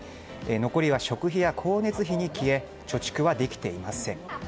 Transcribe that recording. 残りは食費や光熱費に消え貯蓄はできていません。